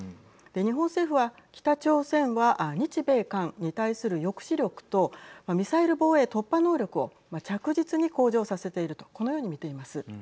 日本政府は、北朝鮮は日米韓に対する抑止力とミサイル防衛突破能力を着実に向上させているとこのように見ています。